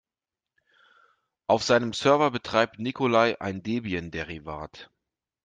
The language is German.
Auf seinem Server betreibt Nikolai ein Debian-Derivat.